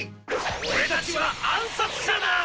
オレたちは暗殺者だ！